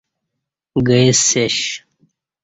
گئے سیش